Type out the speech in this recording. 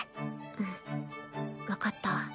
うん分かった。